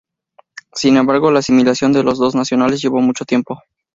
Sin embargo, la asimilación de las dos naciones llevó mucho tiempo.